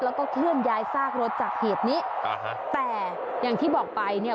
แล้วก็เคลื่อนย้ายซากรถจากเหตุนี้อ่าฮะแต่อย่างที่บอกไปเนี่ย